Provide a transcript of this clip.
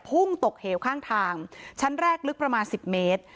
พุ่งตกเหวข้างทางชั้นแรกลึกประมาณ๑๐เมตร